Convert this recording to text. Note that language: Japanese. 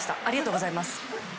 ありがとうございます。